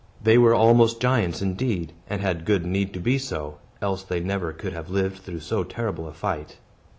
They were almost giants indeed, and had good need to be so, else they never could have lived through so terrible a fight.